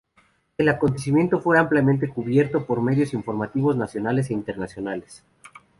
El acontecimiento fue ampliamente cubierto por medios informativos nacionales e internacionales.